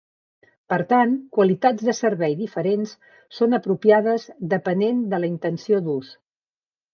Per tant, qualitats de servei diferents són apropiades depenent de la intenció d'ús.